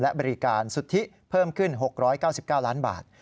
และบริการสุทธิเพิ่มขึ้น๖๙๙ล้านบาท